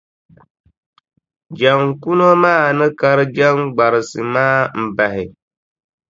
Jaŋkuno maa ni kari jaŋgbarisi maa m-bahi.